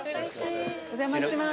お邪魔します。